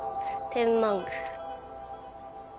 天満宮。